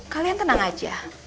kalian tenang aja